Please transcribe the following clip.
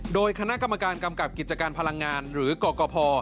โดยคณะกรรมการกำกับกิจการพลังงานหรือกรกภ